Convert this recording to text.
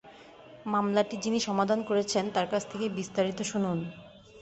মামলাটি যিনি সমাধান করেছেন তার কাছ থেকেই বিস্তারিত শুনুন।